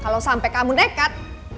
kalau sampai kamu dekat